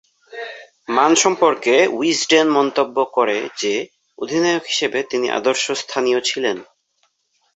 মান সম্পর্কে উইজডেন মন্তব্য করে যে, অধিনায়ক হিসেবে তিনি আদর্শস্থানীয় ছিলেন।